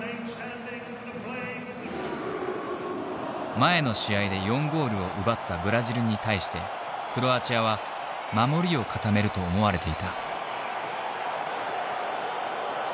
前の試合で４ゴールを奪ったブラジルに対してクロアチアは守りを固めると思われていた。